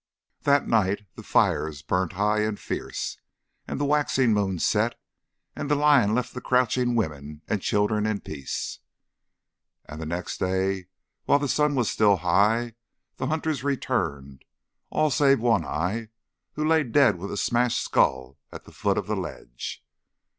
That night the fires burnt high and fierce, as the waxing moon set, and the lion left the crouching women and children in peace. And the next day, while the sun was still high, the hunters returned all save One Eye, who lay dead with a smashed skull at the foot of the ledge.